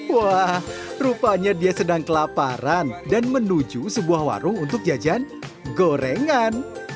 wah rupanya dia sedang kelaparan dan menuju sebuah warung untuk jajan gorengan